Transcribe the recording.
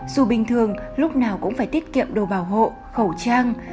dù bình thường lúc nào cũng phải tiết kiệm đồ bảo hộ khẩu trang